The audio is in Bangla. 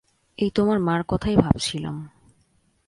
এই তোমার মার কথাই ভাবছিলাম।